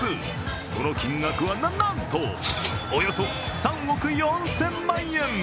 その金額はなんとおよそ３億４０００万円。